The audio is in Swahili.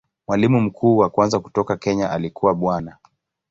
Mwalimu mkuu wa kwanza kutoka Kenya alikuwa Bwana.